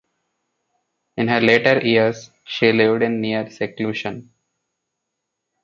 In her later years she lived in near seclusion.